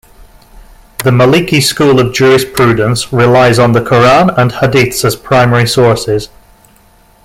The Maliki school of jurisprudence relies on the Quran and hadiths as primary sources.